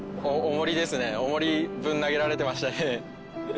重りぶん投げられてましたね。